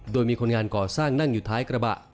โดยมีคนงานก่อสร้างนั่งอยู่ท้ายกระบะ